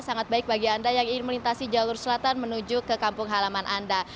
sangat baik bagi anda yang ingin melintasi jalur selatan menuju ke kampung halaman anda